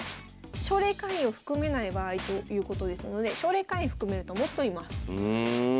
奨励会員を含めない場合ということですので奨励会員含めるともっといます。